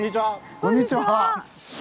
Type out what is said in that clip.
こんにちは！